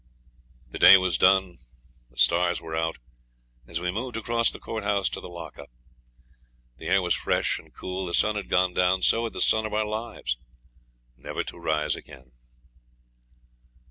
The day was done, the stars were out, as we moved across from the courthouse to the lock up. The air was fresh and cool. The sun had gone down; so had the sun of our lives, never to rise again.